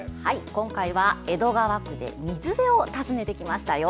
今回は江戸川区で水辺を訪ねてきましたよ。